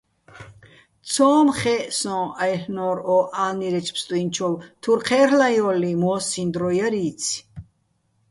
ცო́მ ხე́ჸ სო́ჼ-აჲლ'ნო́რ ო ა́ლნირეჩო̆ ფსტუჲნჩოვ, თურ ჴე́რლ'აჲო́ლიჼ, მო́სსიჼ დრო ჲარი́ცი̆.